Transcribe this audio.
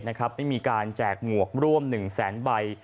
ได้มีการแจกหมวกร่วม๑แสนใบ